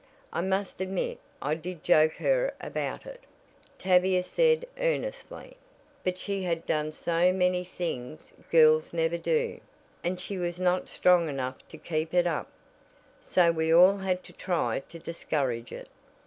I must admit I did joke her about it," Tavia said earnestly, "but she had done so many things girls never do, and she was not strong enough to keep it up, so we all had to try to discourage it.